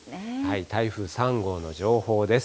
台風３号の情報です。